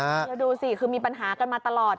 แล้วดูสิคือมีปัญหากันมาตลอด